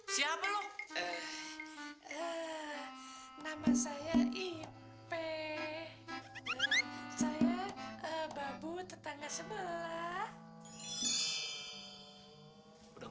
siapa lu nama saya ipe saya babu tetangga sebelah